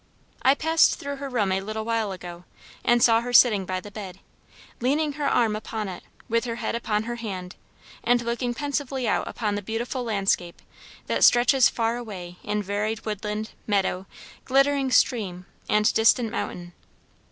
I passed through her room a little while ago, and saw her sitting by the bed, leaning her arm upon it, with her head upon her hand, and looking pensively out upon the beautiful landscape that stretches far away in varied woodland, meadow, glittering stream, and distant mountain.